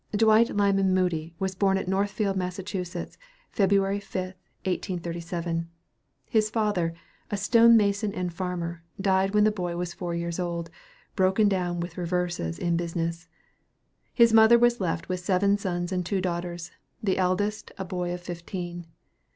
Dwight Lyman Moody was born at Northfield, Mass., Feb. 5, 1837. His father, a stone mason and farmer, died when the boy was four years old, broken down with reverses in business. His mother was left with seven sons and two daughters, the eldest a boy only fifteen.